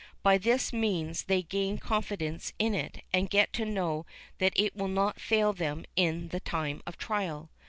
By this means they gain confidence in it, and get to know that it will not fail them in the time of trial.